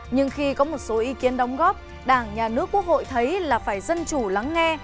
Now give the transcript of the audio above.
nhưng khi có một số ý kiến đóng góp đảng nhà nước quốc hội thấy là phải dân chủ lắng nghe